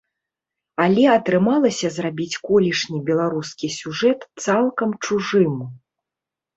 Але атрымалася зрабіць колішні беларускі сюжэт цалкам чужым.